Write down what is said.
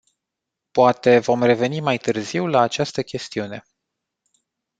Poate vom reveni mai târziu la această chestiune.